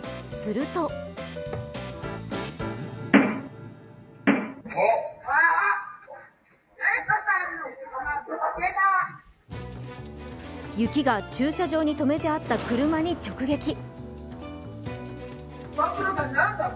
すると雪が、駐車場に止めてあった車に直撃。